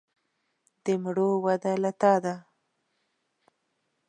د مړو وده له تا ده.